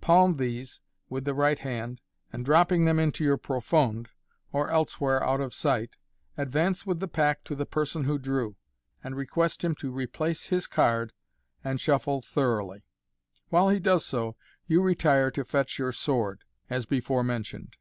Palm these (with the right hand) , and, dropping them into your profonde, or elsewhere out of sight, advance with the pack to the person who drew, and request him to replace his card, and shuffle thoroughly. While he does so, you retire to fetch your sword, as before mentioned.